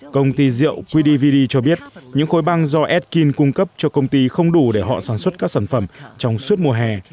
công ty rượu qdv cho biết những khối băng do ethil cung cấp cho công ty không đủ để họ sản xuất các sản phẩm trong suốt mùa hè